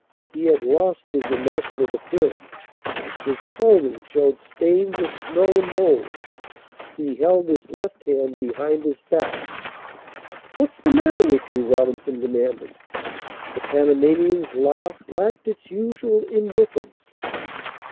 He had lost his immaculate appearance. His clothing showed stains of snow and mould. He held his left hand behind his back. "What's the matter with you?" Robinson demanded. The Panamanian's laugh lacked its usual indifference.